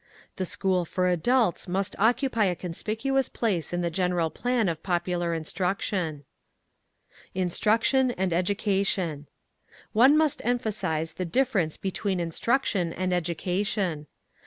The school for adults must occupy a conspicuous place in the general plan of popular instruction. Instruction and Education: One must emphasise the difference between instruction and education.